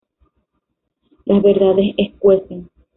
Las verdades escuecen